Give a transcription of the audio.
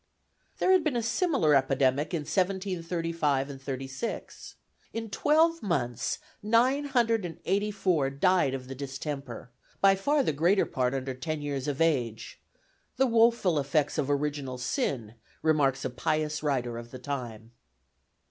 '" There had been a similar epidemic in 1735 6. In twelve months, nine hundred and eighty four died of the distemper, by far the greater part under ten years of age "the woful effects of Original Sin," remarks a pious writer of the time.